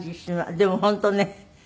でも本当ね。